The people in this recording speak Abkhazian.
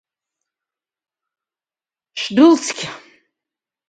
Шәдылцқьа!